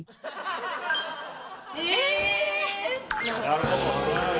なるほど。